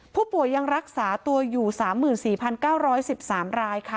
ผู้ป่วยยังรักษาตัวอยู่๓๔๙๑๓รายค่ะ